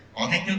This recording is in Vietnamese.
có thách thức